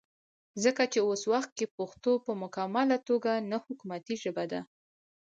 ځکه چې وس وخت کې پښتو پۀ مکمله توګه نه حکومتي ژبه ده